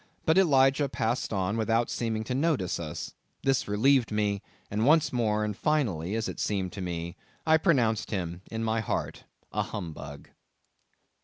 But Elijah passed on, without seeming to notice us. This relieved me; and once more, and finally as it seemed to me, I pronounced him in my heart, a humbug.